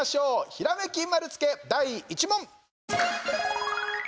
ひらめき丸つけ、第１問。